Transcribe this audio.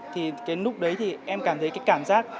thì cái lúc đấy thì em cảm thấy cái cảm giác